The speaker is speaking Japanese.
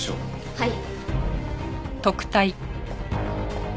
はい。